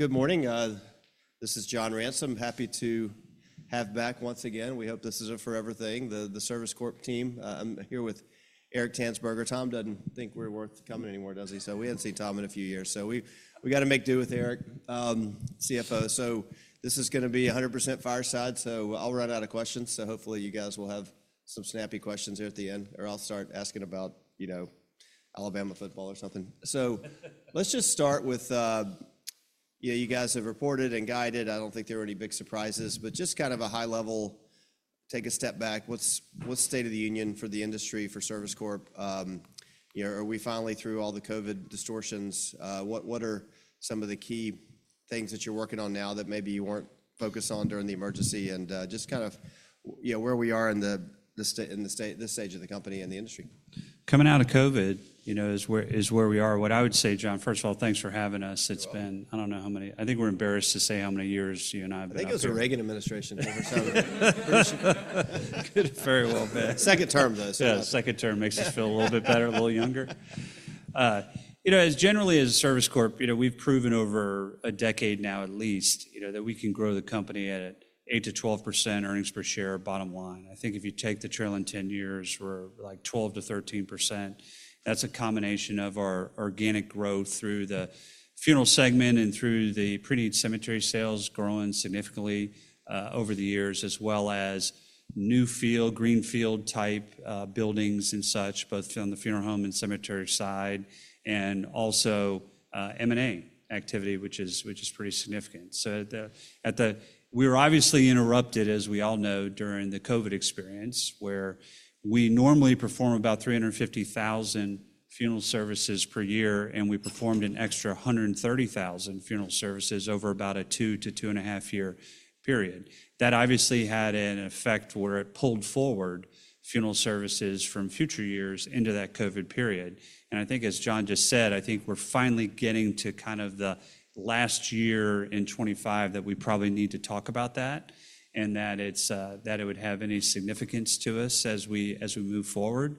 Good morning. This is John Ransom. Happy to have back once again. We hope this is a forever thing, the Service Corporation team. I'm here with Eric Tanzberger. Tom doesn't think we're worth coming anymore, does he? So we hadn't seen Tom in a few years. So we got to make do with Eric, CFO. So this is going to be 100% fireside. So I'll run out of questions. So hopefully you guys will have some snappy questions here at the end, or I'll start asking about, you know, Alabama football or something. So let's just start with, you guys have reported and guided. I don't think there are any big surprises, but just kind of a high level, take a step back. What's state of the union for the industry for Service Corp? Are we finally through all the COVID distortions? What are some of the key things that you're working on now that maybe you weren't focused on during the emergency? And just kind of, you know, where we are in the stage of the company and the industry. Coming out of COVID, you know, is where we are. What I would say, John, first of all, thanks for having us. It's been, I don't know how many, I think we're embarrassed to say how many years you and I have been here. I think it was the Reagan administration every time. Very well been. Second term, though. Yeah, second term makes us feel a little bit better, a little younger. You know, especially as a Service Corp, you know, we've proven over a decade now at least, you know, that we can grow the company at 8%-12% earnings per share, bottom line. I think if you take the trailing 10 years, we're like 12%-13%. That's a combination of our organic growth through the funeral segment and through the preneed cemetery sales growing significantly over the years, as well as new build greenfield type buildings and such, both on the funeral home and cemetery side, and also M&A activity, which is pretty significant. We were obviously interrupted, as we all know, during the COVID experience, where we normally perform about 350,000 funeral services per year, and we performed an extra 130,000 funeral services over about a two to two and a half year period. That obviously had an effect where it pulled forward funeral services from future years into that COVID period. I think, as John just said, we're finally getting to kind of the last year in 2025 that we probably need to talk about that and that it would have any significance to us as we move forward.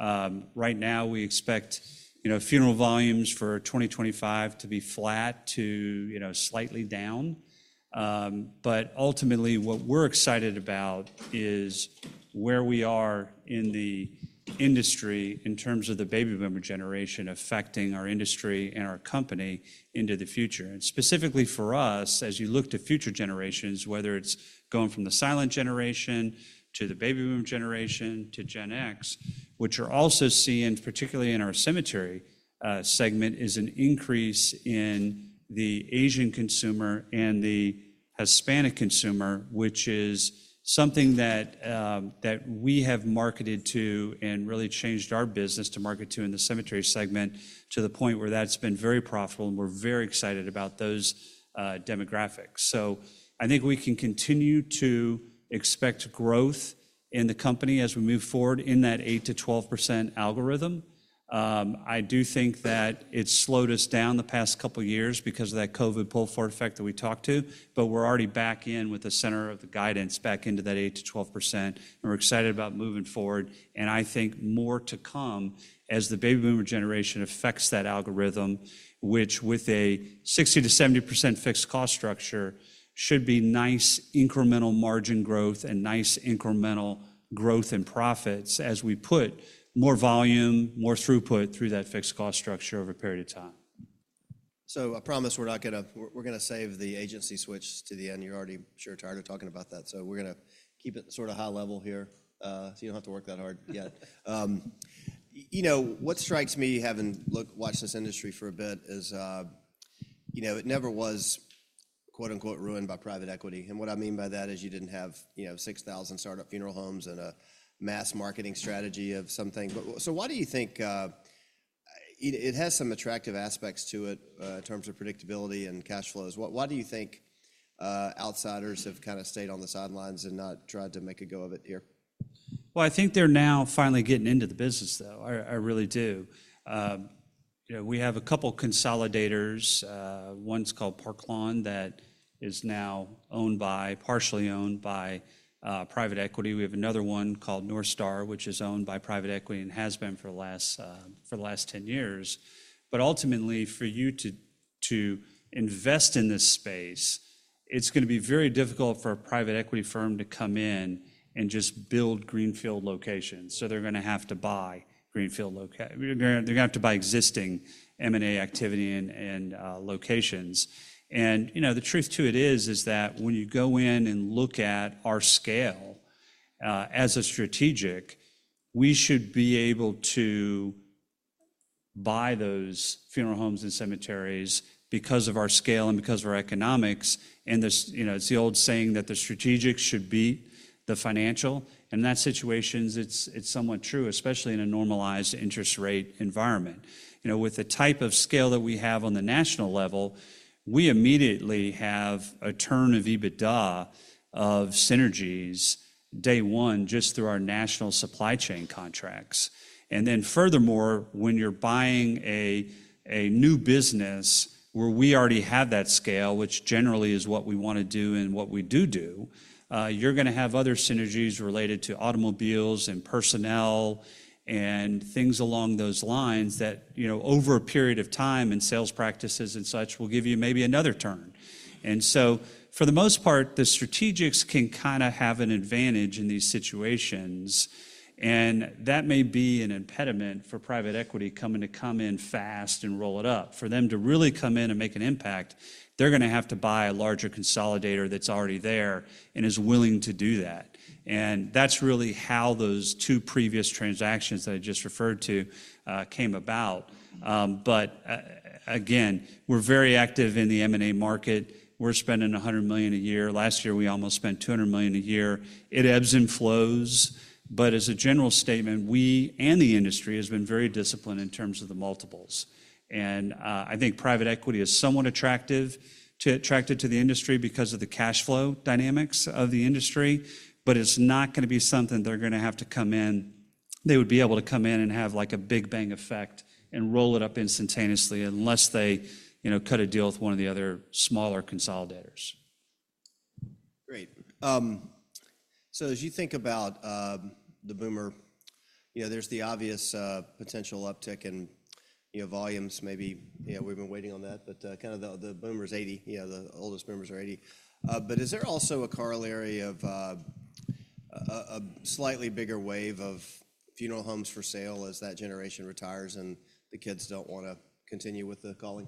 Right now, we expect, you know, funeral volumes for 2025 to be flat to, you know, slightly down. Ultimately, what we're excited about is where we are in the industry in terms of the Baby Boomer generation affecting our industry and our company into the future. Specifically for us, as you look to future generations, whether it's going from the Silent Generation to the Baby Boomer generation to Gen X, which are also seeing, particularly in our cemetery segment, an increase in the Asian consumer and the Hispanic consumer, which is something that we have marketed to and really changed our business to market to in the cemetery segment to the point where that's been very profitable, and we're very excited about those demographics. So I think we can continue to expect growth in the company as we move forward in that 8%-12% algorithm. I do think that it slowed us down the past couple of years because of that COVID pull forward effect that we talked to, but we're already back in with the center of the guidance back into that 8%-12%. We're excited about moving forward. And I think more to come as the Baby Boomer generation affects that algorithm, which with a 60%-70% fixed cost structure should be nice incremental margin growth and nice incremental growth in profits as we put more volume, more throughput through that fixed cost structure over a period of time. So I promise we're not going to, we're going to save the agency switch to the end. You're already sure tired of talking about that. So we're going to keep it sort of high level here so you don't have to work that hard yet. You know, what strikes me having watched this industry for a bit is, you know, it never was "ruined" by private equity. And what I mean by that is you didn't have, you know, 6,000 startup funeral homes and a mass marketing strategy of something. So why do you think it has some attractive aspects to it in terms of predictability and cash flows? Why do you think outsiders have kind of stayed on the sidelines and not tried to make a go of it here? Well, I think they're now finally getting into the business, though. I really do. You know, we have a couple of consolidators. One's called Park Lawn that is now owned by, partially owned by private equity. We have another one called NorthStar, which is owned by private equity and has been for the last 10 years. But ultimately, for you to invest in this space, it's going to be very difficult for a private equity firm to come in and just build greenfield locations. So they're going to have to buy greenfield locations. They're going to have to buy existing M&A activity and locations. And, you know, the truth to it is that when you go in and look at our scale as a strategic, we should be able to buy those funeral homes and cemeteries because of our scale and because of our economics. It's the old saying that the strategic should beat the financial. In that situation, it's somewhat true, especially in a normalized interest rate environment. You know, with the type of scale that we have on the national level, we immediately have a turn of EBITDA of synergies day one just through our national supply chain contracts. Then furthermore, when you're buying a new business where we already have that scale, which generally is what we want to do and what we do do, you're going to have other synergies related to automobiles and personnel and things along those lines that, you know, over a period of time and sales practices and such will give you maybe another turn. For the most part, the strategics can kind of have an advantage in these situations. That may be an impediment for private equity coming in fast and roll it up. For them to really come in and make an impact, they're going to have to buy a larger consolidator that's already there and is willing to do that. That's really how those two previous transactions that I just referred to came about. Again, we're very active in the M&A market. We're spending $100 million a year. Last year, we almost spent $200 million a year. It ebbs and flows. As a general statement, we and the industry have been very disciplined in terms of the multiples. I think private equity is somewhat attractive to the industry because of the cash flow dynamics of the industry. But it's not going to be something they're going to have to come in, they would be able to come in and have like a big bang effect and roll it up instantaneously unless they, you know, cut a deal with one of the other smaller consolidators. Great. So as you think about the boomer, you know, there's the obvious potential uptick in volumes. Maybe, you know, we've been waiting on that, but kind of the boomer's 80, you know, the oldest boomers are 80. But is there also a corollary of a slightly bigger wave of funeral homes for sale as that generation retires and the kids don't want to continue with the calling?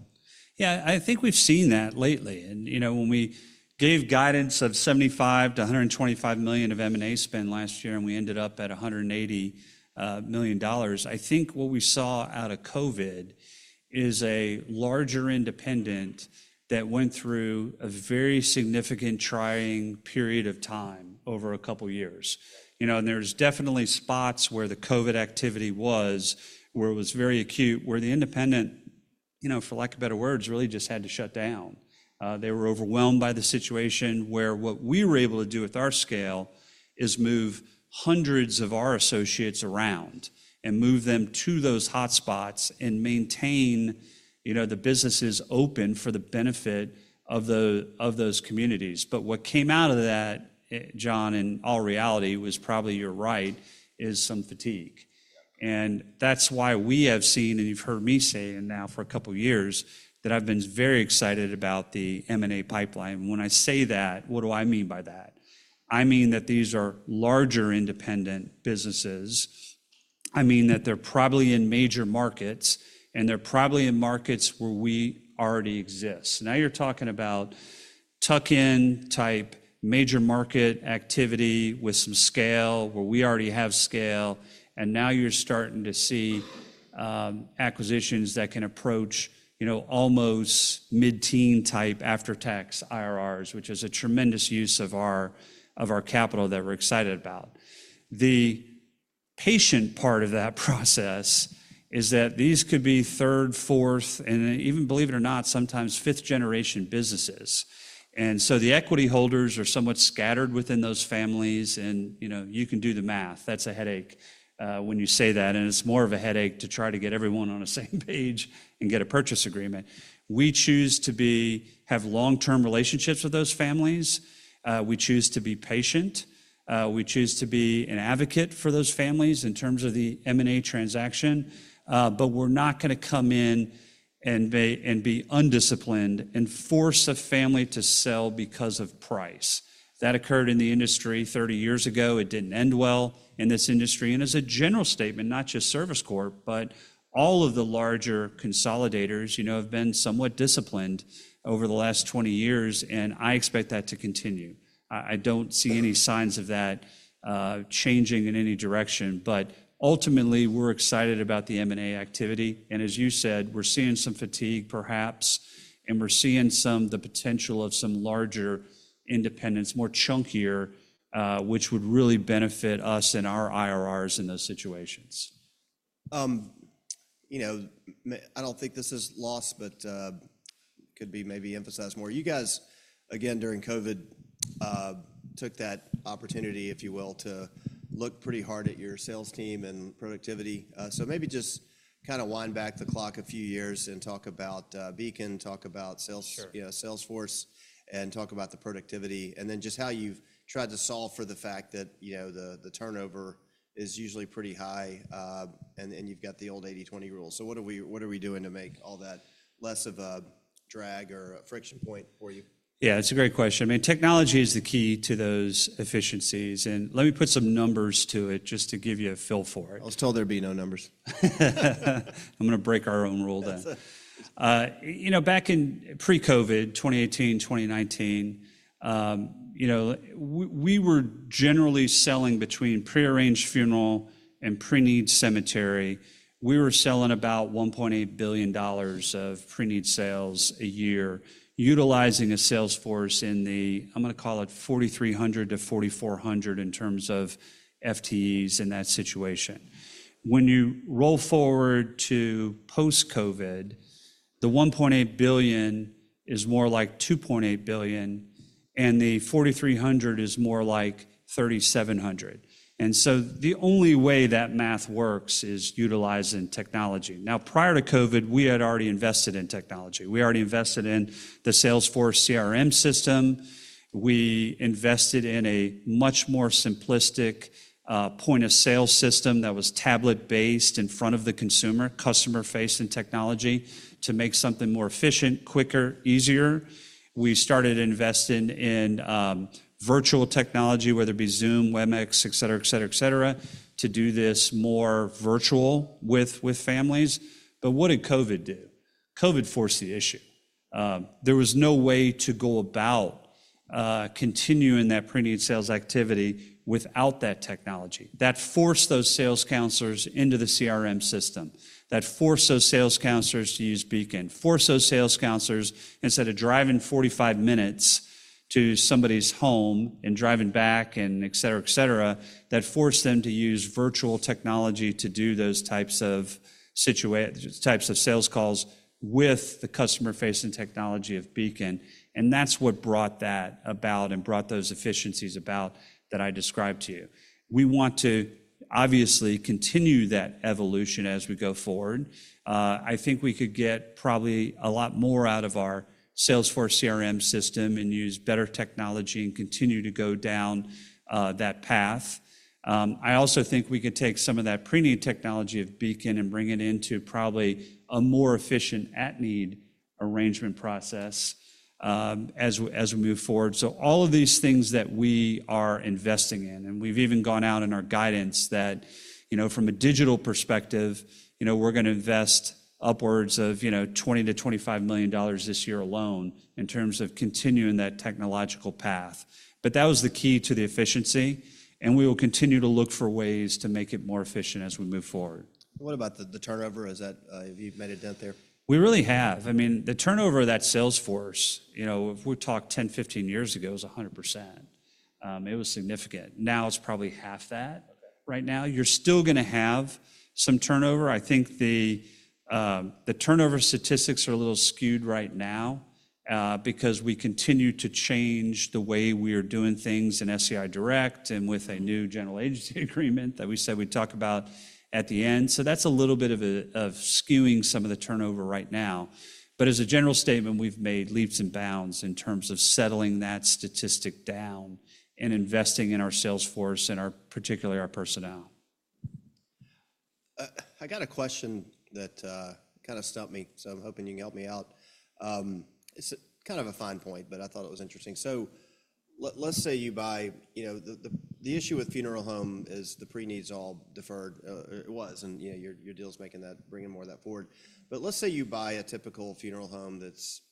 Yeah, I think we've seen that lately. And, you know, when we gave guidance of $75 million-$125 million of M&A spend last year and we ended up at $180 million, I think what we saw out of COVID is a larger independent that went through a very significant trying period of time over a couple of years. You know, and there's definitely spots where the COVID activity was, where it was very acute, where the independent, you know, for lack of better words, really just had to shut down. They were overwhelmed by the situation where what we were able to do with our scale is move hundreds of our associates around and move them to those hotspots and maintain, you know, the businesses open for the benefit of those communities. But what came out of that, John, in all reality, was probably you're right, is some fatigue. That's why we have seen, and you've heard me say it now for a couple of years, that I've been very excited about the M&A pipeline. When I say that, what do I mean by that? I mean that these are larger independent businesses. I mean that they're probably in major markets and they're probably in markets where we already exist. Now you're talking about tuck-in type major market activity with some scale where we already have scale. And now you're starting to see acquisitions that can approach, you know, almost mid-teen type after-tax IRRs, which is a tremendous use of our capital that we're excited about. The patient part of that process is that these could be third, fourth, and even, believe it or not, sometimes fifth generation businesses. And so the equity holders are somewhat scattered within those families. And, you know, you can do the math. That's a headache when you say that, and it's more of a headache to try to get everyone on the same page and get a purchase agreement. We choose to have long-term relationships with those families. We choose to be patient. We choose to be an advocate for those families in terms of the M&A transaction, but we're not going to come in and be undisciplined and force a family to sell because of price. That occurred in the industry 30 years ago. It didn't end well in this industry, and as a general statement, not just Service Corp, but all of the larger consolidators, you know, have been somewhat disciplined over the last 20 years, and I expect that to continue. I don't see any signs of that changing in any direction, but ultimately, we're excited about the M&A activity, and as you said, we're seeing some fatigue, perhaps. We're seeing the potential of some larger independents, more chunkier, which would really benefit us and our IRRs in those situations. You know, I don't think this is lost, but could be maybe emphasized more. You guys, again, during COVID, took that opportunity, if you will, to look pretty hard at your sales team and productivity, so maybe just kind of wind back the clock a few years and talk about Beacon, talk about Sales force, and talk about the productivity, and then just how you've tried to solve for the fact that, you know, the turnover is usually pretty high and you've got the old 80/20 rule, so what are we doing to make all that less of a drag or a friction point for you? Yeah, that's a great question. I mean, technology is the key to those efficiencies. And let me put some numbers to it just to give you a feel for it. I was told there'd be no numbers. I'm going to break our own rule then. You know, back in pre-COVID, 2018, 2019, you know, we were generally selling between pre-arranged funeral and pre-need cemetery. We were selling about $1.8 billion of pre-need sales a year, utilizing a Sales force in the, I'm going to call it 4,300-4,400 in terms of FTEs in that situation. When you roll forward to post-COVID, the $1.8 billion is more like $2.8 billion and the $4,300 is more like $3,700, and so the only way that math works is utilizing technology. Now, prior to COVID, we had already invested in technology. We already invested in the Sales force CRM system. We invested in a much more simplistic point of sale system that was tablet-based in front of the consumer, customer-facing technology to make something more efficient, quicker, easier. We started investing in virtual technology, whether it be Zoom, Webex, et cetera, et cetera, et cetera, to do this more virtual with families, but what did COVID do? COVID forced the issue. There was no way to go about continuing that pre-need sales activity without that technology. That forced those sales counselors into the CRM system. That forced those sales counselors to use Beacon, forced those sales counselors, instead of driving 45 minutes to somebody's home and driving back and et cetera, et cetera, that forced them to use virtual technology to do those types of sales calls with the customer-facing technology of Beacon, and that's what brought that about and brought those efficiencies about that I described to you. We want to obviously continue that evolution as we go forward. I think we could get probably a lot more out of our Sales force CRM system and use better technology and continue to go down that path. I also think we could take some of that pre-need technology of Beacon and bring it into probably a more efficient at-need arrangement process as we move forward. So all of these things that we are investing in, and we've even gone out in our guidance that, you know, from a digital perspective, you know, we're going to invest upwards of, you know, $20 million-$25 million this year alone in terms of continuing that technological path. But that was the key to the efficiency. And we will continue to look for ways to make it more efficient as we move forward. What about the turnover? Have you made a dent there? We really have. I mean, the turnover of that sales force, you know, if we talk 10, 15 years ago, it was 100%. It was significant. Now it's probably half that. Right now, you're still going to have some turnover. I think the turnover statistics are a little skewed right now because we continue to change the way we are doing things in SCI Direct and with a new general agency agreement that we said we'd talk about at the end. So that's a little bit of skewing some of the turnover right now. But as a general statement, we've made leaps and bounds in terms of settling that statistic down and investing in our sales force and particularly our personnel. I got a question that kind of stumped me, so I'm hoping you can help me out. It's kind of a fine point, but I thought it was interesting. So let's say you buy, you know, the issue with funeral home is the pre-need's all deferred. It was, and you know, your deal's making that, bringing more of that forward. But let's say you buy a typical funeral home that's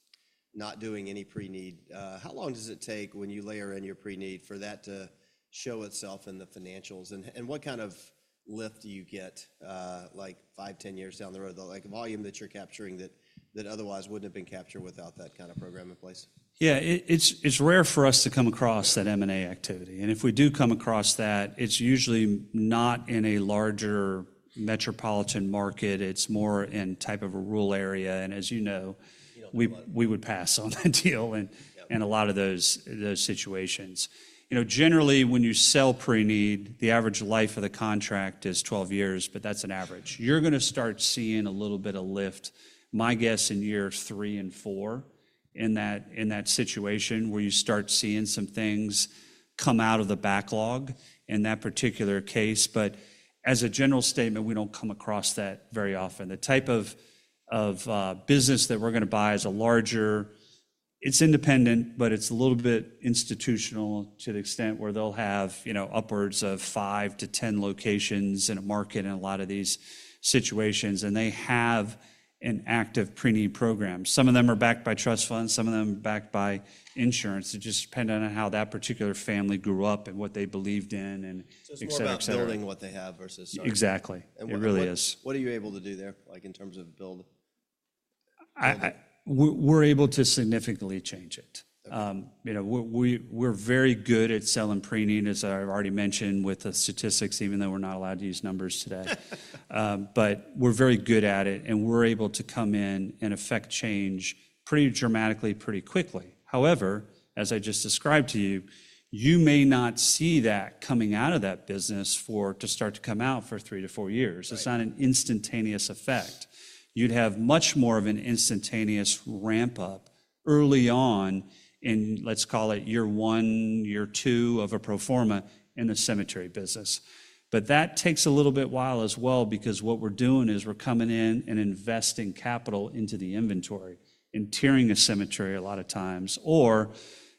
not doing any pre-need. How long does it take when you layer in your pre-need for that to show itself in the financials? And what kind of lift do you get, like five, 10 years down the road, like volume that you're capturing that otherwise wouldn't have been captured without that kind of program in place? Yeah, it's rare for us to come across that M&A activity. And if we do come across that, it's usually not in a larger metropolitan market. It's more in type of a rural area. And as you know, we would pass on that deal in a lot of those situations. You know, generally, when you sell pre-need, the average life of the contract is 12 years, but that's an average. You're going to start seeing a little bit of lift, my guess, in year three and four in that situation where you start seeing some things come out of the backlog in that particular case. But as a general statement, we don't come across that very often. The type of business that we're going to buy is a larger, it's independent, but it's a little bit institutional to the extent where they'll have, you know, upwards of five to 10 locations in a market in a lot of these situations, and they have an active pre-need program. Some of them are backed by trust funds. Some of them are backed by insurance. It just depends on how that particular family grew up and what they believed in and et cetera, et cetera. It's more about building what they have versus something else. Exactly. It really is. What are you able to do there, like in terms of build? We're able to significantly change it. You know, we're very good at selling pre-need, as I've already mentioned with the statistics, even though we're not allowed to use numbers today, but we're very good at it, and we're able to come in and affect change pretty dramatically, pretty quickly. However, as I just described to you, you may not see that coming out of that business for three to four years. It's not an instantaneous effect. You'd have much more of an instantaneous ramp-up early on in, let's call it year one, year two of a pro forma in the cemetery business. But that takes a little bit while as well because what we're doing is we're coming in and investing capital into the inventory and tiering a cemetery a lot of times, or,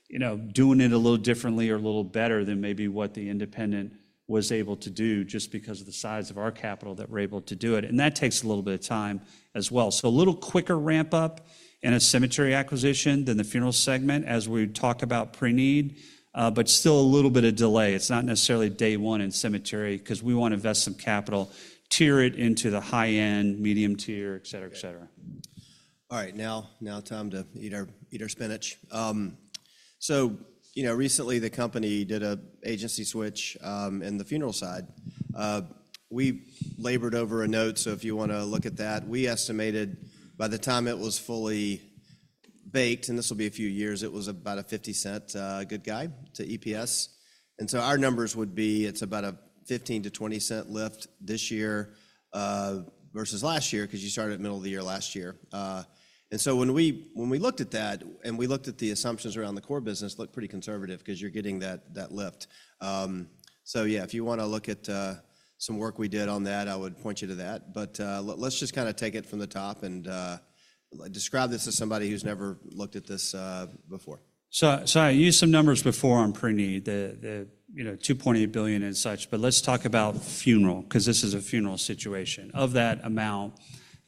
you know, doing it a little differently or a little better than maybe what the independent was able to do just because of the size of our capital that we're able to do it. And that takes a little bit of time as well. So a little quicker ramp-up in a cemetery acquisition than the funeral segment as we talk about pre-need, but still a little bit of delay. It's not necessarily day one in cemetery because we want to invest some capital, tier it into the high-end, medium tier, et cetera, et cetera. All right. Now, time to eat our spinach. So, you know, recently the company did an agency switch in the funeral side. We labored over a note, so if you want to look at that, we estimated by the time it was fully baked, and this will be a few years, it was about a $0.50 good guy to EPS. And so our numbers would be it's about a $0.15-$0.20 lift this year versus last year because you started at the middle of the year last year. And so when we looked at that and we looked at the assumptions around the core business, it looked pretty conservative because you're getting that lift. So yeah, if you want to look at some work we did on that, I would point you to that. But let's just kind of take it from the top and describe this as somebody who's never looked at this before. So I used some numbers before on pre-need, you know, $2.8 billion and such. But let's talk about funeral because this is a funeral situation. Of that amount,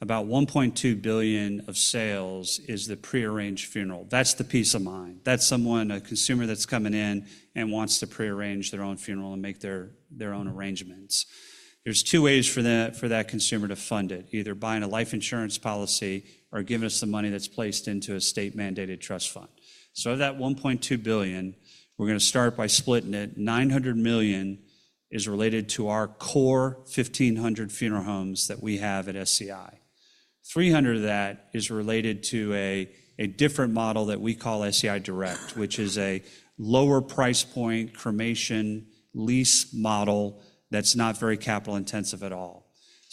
about $1.2 billion of sales is the pre-arranged funeral. That's the peace of mind. That's someone, a consumer that's coming in and wants to pre-arrange their own funeral and make their own arrangements. There's two ways for that consumer to fund it, either buying a life insurance policy or giving us the money that's placed into a state-mandated trust fund. So of that $1.2 billion, we're going to start by splitting it. $900 million is related to our core 1,500 funeral homes that we have at SCI. $300 of that is related to a different model that we call SCI Direct, which is a lower price point cremation lease model that's not very capital intensive at all.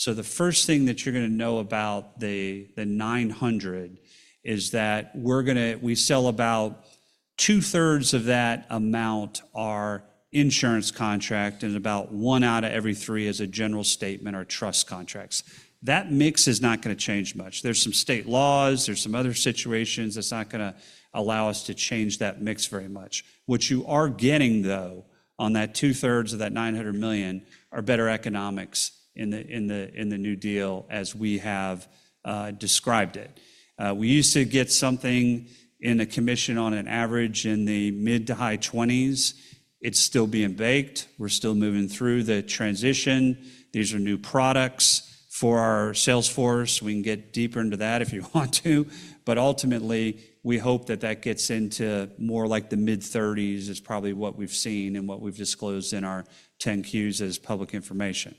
The first thing that you're going to know about the $900 is that we're going to, we sell about two-thirds of that amount as insurance contracts and about one out of every three is a general agency or trust contracts. That mix is not going to change much. There's some state laws. There's some other situations. It's not going to allow us to change that mix very much. What you are getting, though, on that two-thirds of that $900 million are better economics in the new deal as we have described it. We used to get something in a commission on an average in the mid to high 20s. It's still being baked. We're still moving through the transition. These are new products for our Sales force. We can get deeper into that if you want to. But ultimately, we hope that that gets into more like the mid-30s, which is probably what we've seen and what we've disclosed in our 10-Qs as public information.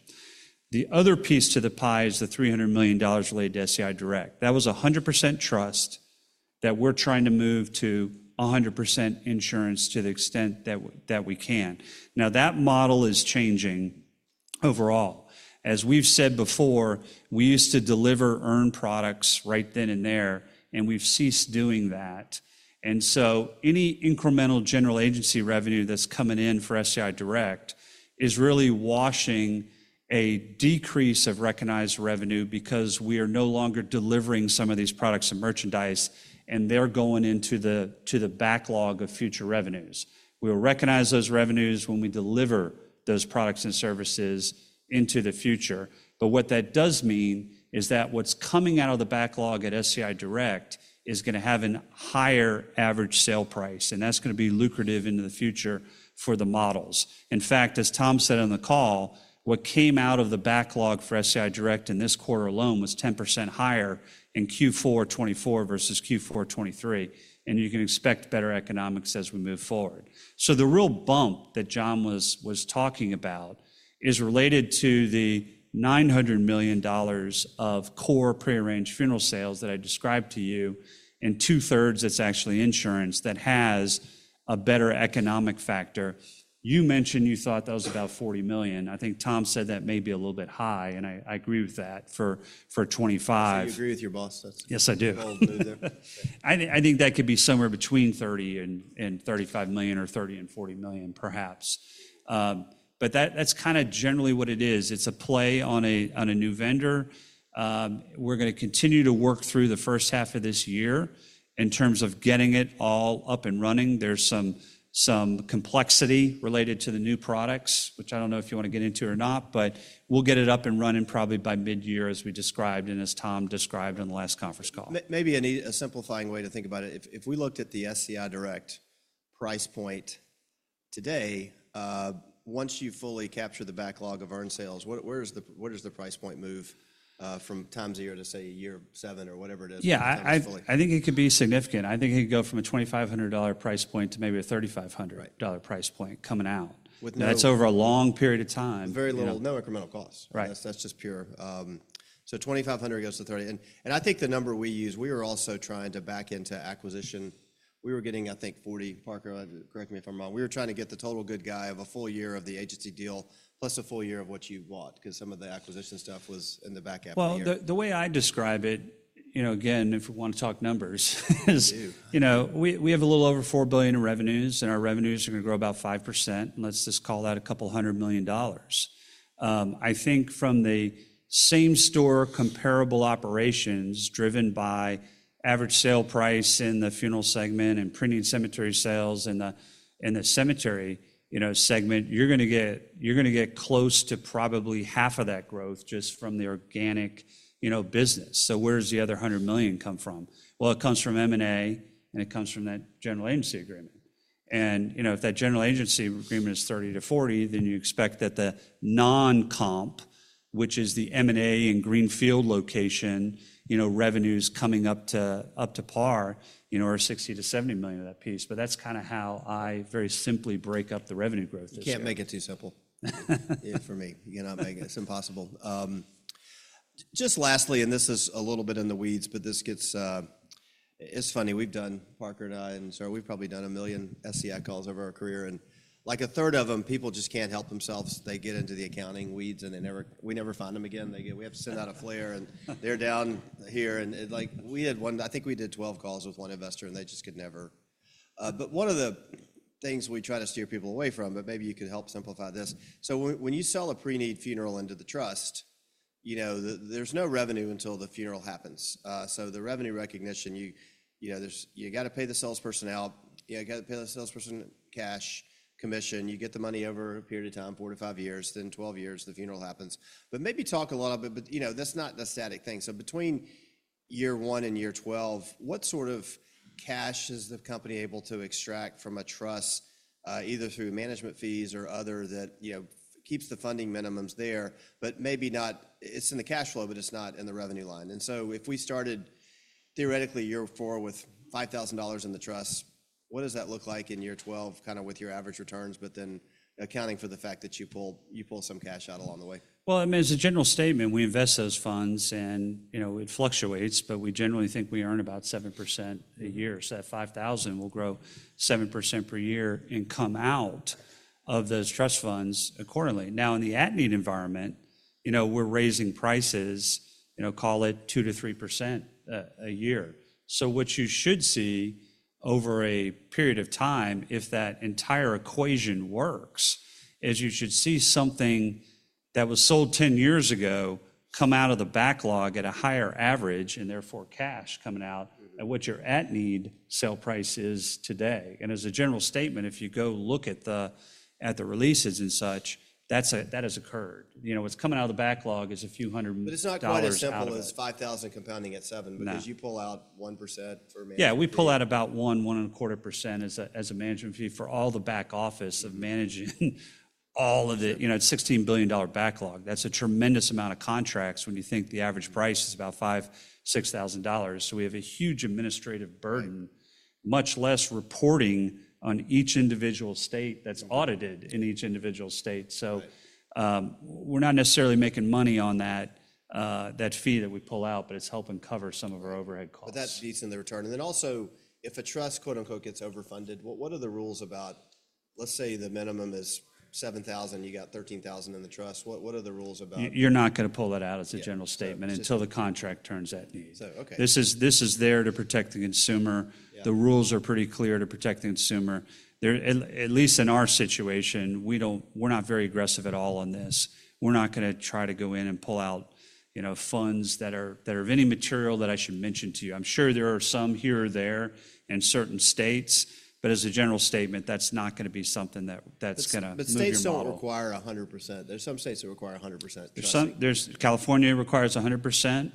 The other piece to the pie is the $300 million related to SCI Direct. That was 100% trust that we're trying to move to 100% insurance to the extent that we can. Now, that model is changing overall. As we've said before, we used to deliver earned products right then and there, and we've ceased doing that. And so any incremental general agency revenue that's coming in for SCI Direct is really washing a decrease of recognized revenue because we are no longer delivering some of these products and merchandise, and they're going into the backlog of future revenues. We will recognize those revenues when we deliver those products and services into the future. But what that does mean is that what's coming out of the backlog at SCI Direct is going to have a higher average sale price. And that's going to be lucrative into the future for the models. In fact, as Tom said on the call, what came out of the backlog for SCI Direct in this quarter alone was 10% higher in Q4 2024 versus Q4 2023. And you can expect better economics as we move forward. So the real bump that John was talking about is related to the $900 million of core pre-arranged funeral sales that I described to you and two-thirds that's actually insurance that has a better economic factor. You mentioned you thought that was about $40 million. I think Tom said that may be a little bit high, and I agree with that for $25 million. Do you agree with your boss? Yes, I do. I think that could be somewhere between $30 million-$35 million or $30 million-$40 million, perhaps. But that's kind of generally what it is. It's a play on a new vendor. We're going to continue to work through the first half of this year in terms of getting it all up and running. There's some complexity related to the new products, which I don't know if you want to get into or not, but we'll get it up and running probably by mid-year, as we described and as Tom described on the last conference call. Maybe a simplifying way to think about it, if we looked at the SCI Direct price point today, once you fully capture the backlog of earned sales, where does the price point move from time zero a year to say a year seven or whatever it is? Yeah, I think it could be significant. I think it could go from a $2,500 price point to maybe a $3,500 price point coming out, and that's over a long period of time. Very little, no incremental cost. That's just pure. So $2,500 goes to $30. And I think the number we use, we were also trying to back into acquisition. We were getting, I think, $40, Parker, correct me if I'm wrong. We were trying to get the total good guy of a full year of the agency deal plus a full year of what you bought because some of the acquisition stuff was in the back half of the year. Well, the way I describe it, you know, again, if we want to talk numbers, you know, we have a little over $4 billion in revenues, and our revenues are going to grow about 5%. And let's just call that a couple of million dollars. I think from the same store comparable operations driven by average sale price in the funeral segment and pre-need cemetery sales and the cemetery, you know, segment, you're going to get close to probably half of that growth just from the organic, you know, business. So where does the other $100 million come from? Well, it comes from M&A, and it comes from that general agency agreement. You know, if that general agency agreement is $30-$40, then you expect that the non-comp, which is the M&A and greenfield location, you know, revenues coming up to par, you know, are $60 million-$70 million of that piece. That's kind of how I very simply break up the revenue growth. You can't make it too simple for me. You're not making it. It's impossible. Just lastly, and this is a little bit in the weeds, but this gets, it's funny. We've done, Parker and I, and so we've probably done a million SCI calls over our career. And like a third of them, people just can't help themselves. They get into the accounting weeds, and we never find them again. We have to send out a flare, and they're down here. And like we had one, I think we did 12 calls with one investor, and they just could never. But one of the things we try to steer people away from, but maybe you could help simplify this. So when you sell a pre-need funeral into the trust, you know, there's no revenue until the funeral happens. So the revenue recognition, you know, you got to pay the salesperson out. You got to pay the salesperson cash commission. You get the money over a period of time, four to five years, then 12 years, the funeral happens. But maybe talk a little bit, but you know, that's not the static thing. So between year one and year 12, what sort of cash is the company able to extract from a trust, either through management fees or other that, you know, keeps the funding minimums there, but maybe not, it's in the cash flow, but it's not in the revenue line. And so if we started theoretically year four with $5,000 in the trust, what does that look like in year 12, kind of with your average returns, but then accounting for the fact that you pull some cash out along the way? I mean, as a general statement, we invest those funds, and you know, it fluctuates, but we generally think we earn about 7% a year. So that $5,000 will grow 7% per year and come out of those trust funds accordingly. Now, in the at-need environment, you know, we're raising prices, you know, call it 2%-3% a year. What you should see over a period of time, if that entire equation works, is you should see something that was sold 10 years ago come out of the backlog at a higher average and therefore cash coming out at what your at-need sale price is today. As a general statement, if you go look at the releases and such, that has occurred. You know, what's coming out of the backlog is a few hundred million dollars. But it's not quite as simple as $5,000 compounding at seven, because you pull out 1% for management. Yeah, we pull out about 1 1/4% as a management fee for all the back office of managing all of the, you know, it's a $16 billion backlog. That's a tremendous amount of contracts when you think the average price is about $5,000-$6,000. So we have a huge administrative burden, much less reporting on each individual state that's audited in each individual state. So we're not necessarily making money on that fee that we pull out, but it's helping cover some of our overhead costs. But that beats in the return. And then also, if a trust, quote unquote, gets overfunded, what are the rules about, let's say the minimum is $7,000, you got $13,000 in the trust? What are the rules about? You're not going to pull that out as a general statement until the contract turns at-need. This is there to protect the consumer. The rules are pretty clear to protect the consumer. At least in our situation, we're not very aggressive at all on this. We're not going to try to go in and pull out, you know, funds that are of any material that I should mention to you. I'm sure there are some here or there in certain states, but as a general statement, that's not going to be something that's going to. But states don't require 100%. There's some states that require 100%. There's California requires 100%.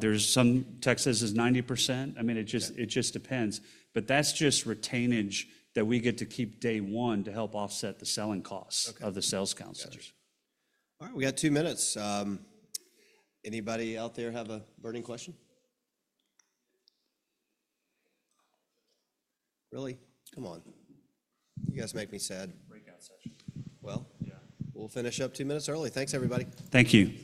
There's some Texas is 90%. I mean, it just depends. But that's just retainage that we get to keep day one to help offset the selling costs of the sales counselors. All right, we got two minutes. Anybody out there have a burning question? Really? Come on. You guys make me sad. Breakout session. Yeah, we'll finish up two minutes early. Thanks, everybody. Thank you.